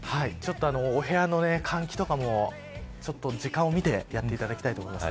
お部屋の換気とかも時間を見てやっていただきたいと思います。